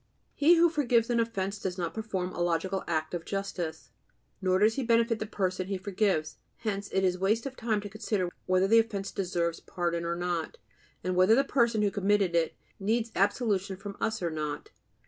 He who forgives an offense does not perform a logical act of justice, nor does he benefit the person he forgives; hence it is waste of time to consider whether the offense deserves pardon or not, and whether the person who committed it needs absolution from us or not.